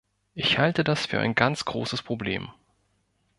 Ich halte das für ein ganz großes Problem.